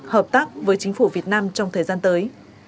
hợp tác với chính phủ việt nam trong thời gian tới